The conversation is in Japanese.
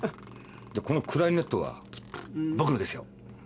でこのクラリネットは？僕のですよ。